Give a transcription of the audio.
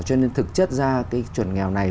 cho nên thực chất ra chuẩn nghèo này